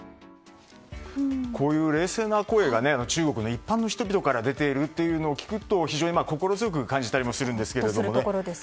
こういう冷静な声が中国の一般の人々から出ているというのを聞くと非常に心強く感じたりもしますよね。